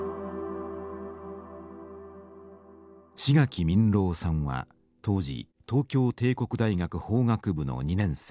志垣民郎さんは当時東京帝国大学法学部の２年生。